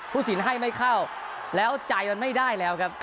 สินให้ไม่เข้าแล้วใจมันไม่ได้แล้วครับ